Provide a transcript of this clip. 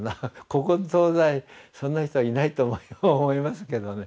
古今東西そんな人はいないと思いますけどね